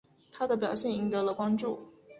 他的表现赢得了关注。